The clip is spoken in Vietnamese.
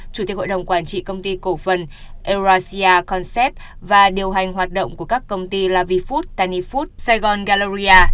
chủ tịch hội đồng quản trị công ty cổ phần eurasia concept và điều hành hoạt động của các công ty lavifood tanifood saigon galleria